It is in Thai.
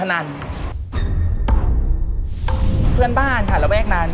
เอาไว้จ่ายที่ไหนยังไง